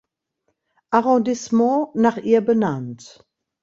Arrondissement nach ihr benannt.